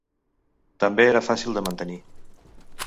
També era fàcil de mantenir.